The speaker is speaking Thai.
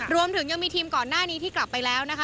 รวมถึงยังมีทีมก่อนหน้านี้ที่กลับไปแล้วนะคะ